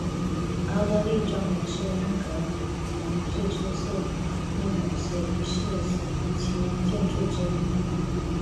奥德莉庄园是英格兰最出色的詹姆斯一世时期建筑之一。